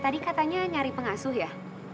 tadi katanya nyari pengasuh ya